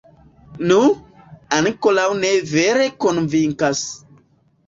Nu, ankoraŭ ne vere konvinkas.